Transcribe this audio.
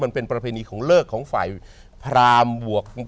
ประเพณีของเลิกของฝ่ายพรามบวก